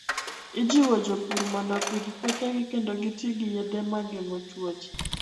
Ijiwo jopur mondo opidh puothegi kendo giti gi yedhe ma geng'o tuoche.